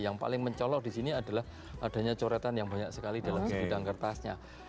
yang paling mencolok di sini adalah adanya coretan yang banyak sekali dalam segidang kertasnya